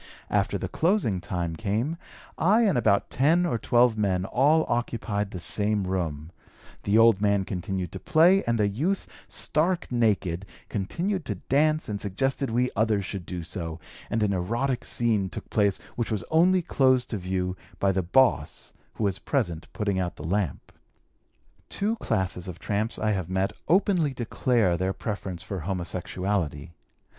After the closing time came, I and about ten or twelve men all occupied the same room; the old man continued to play, and the youth, stark naked, continued to dance and suggested we others should do so, and an erotic scene took place which was only closed to view by the 'boss' who was present putting out the lamp. "Two classes of tramps I have met openly declare their preference for homosexuality.